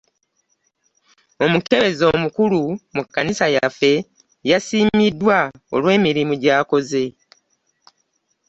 Omukebezi omukulu mu kkanisa yaffe yasiimiddwa olw'emirimu gy'akoze.